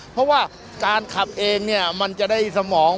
เพราะว่าการขับเองเนี่ยมันจะได้สมอง